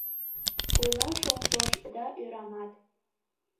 Ойлаш ом тошт да ӧрамат.